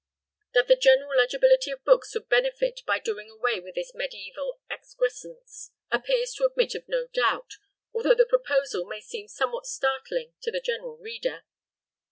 That the general legibility of books would benefit by doing away with this mediaeval excrescence appears to admit of no doubt, although the proposal may seem somewhat startling to the general reader.